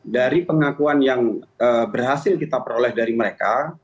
dari pengakuan yang berhasil kita peroleh dari mereka